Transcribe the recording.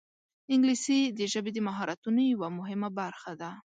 انګلیسي د ژبې د مهارتونو یوه مهمه برخه ده